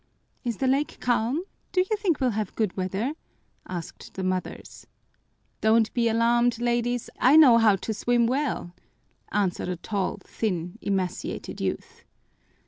"Is the lake calm? Do you think we'll have good weather?" asked the mothers. "Don't be alarmed, ladies, I know how to swim well," answered a tall, thin, emaciated youth.